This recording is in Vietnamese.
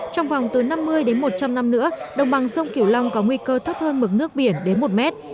trong vòng từ năm mươi đến một trăm linh năm nữa đồng bằng sông kiểu long có nguy cơ thấp hơn mực nước biển đến một mét